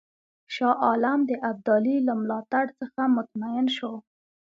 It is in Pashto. شاه عالم د ابدالي له ملاتړ څخه مطمئن شو.